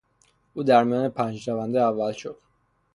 او در میان پنج دونده اول شد.